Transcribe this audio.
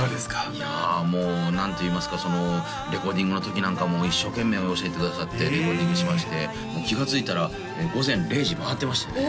いやもう何と言いますかレコーディングの時なんかも一生懸命教えてくださってレコーディングしましてもう気がついたら午前０時回ってましてね